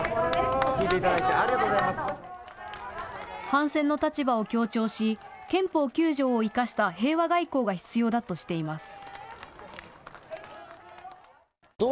反戦の立場を強調し、憲法９条を生かした平和外交が必要だとしています。